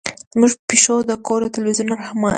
زمونږ پیشو د کور د تلویزیون رهنما شوه.